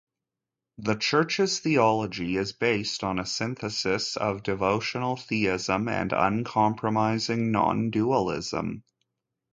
The Church's theology is based on a synthesis of devotional theism and uncompromising nondualism.